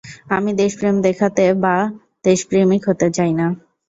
আমি দেশপ্রেম দেখাতে বা — বা দেশপ্রেমিক হতে চাই না।